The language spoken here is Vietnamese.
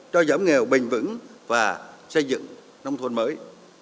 cho giảm nghèo bền vững và xây dựng nông thôn mới